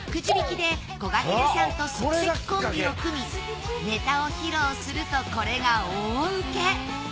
でこがけんさんと即席コンビを組みネタを披露するとこれが大ウケ。